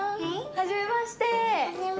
はじめまして。